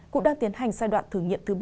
cũng đang tiến hành giai đoạn thử nghiệm thứ ba